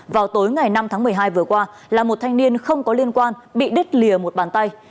vào tối ngày năm tháng một mươi hai vừa qua là một thanh niên không có liên quan bị đứt lìa một bàn tay